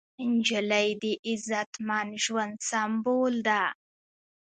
نجلۍ د عزتمن ژوند سمبول ده.